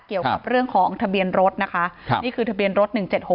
เกี่ยวกับเรื่องของทะเบียนรถนะคะนี่คือทะเบียนรถ๑๗๖๖